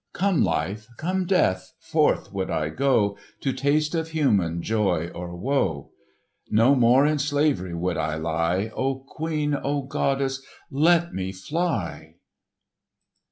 Come life, come death, forth would I go To taste of human joy or woe; No more in slavery would I lie,— O queen, O goddess, let me fly!"